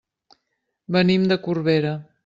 Venim de Corbera.